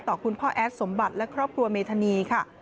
คุณพ่อแอดสมบัติและครอบครัวเมธานีค่ะ